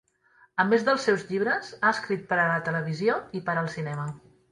A més dels seus llibres, ha escrit per a la televisió i per al cinema.